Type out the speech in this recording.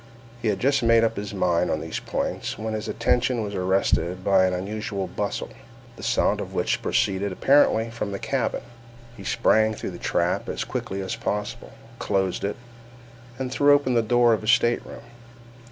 He had just made up his mind on these points when his attention was arrested by an unusual bustle, the sound of which proceeded apparently from the cabin. He sprang through the trap as quickly as possible, closed it, and threw open the door of his stateroom.